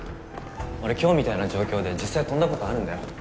俺今日みたいな状況で実際に飛んだ事あるんだよ。